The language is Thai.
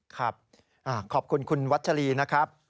ขอบคุณคุณวัชรีนะครับ